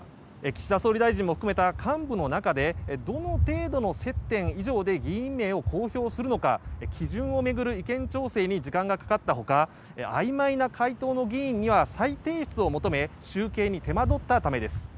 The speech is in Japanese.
岸田総理大臣も含めた幹部の中でどの程度の接点以上で議員名を公表するのか基準を巡る意見調整に時間がかかった他あいまいな回答の議員には再提出を求め集計に手間どったためです。